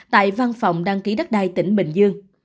tại văn phòng đăng ký đất đai tỉnh bình dương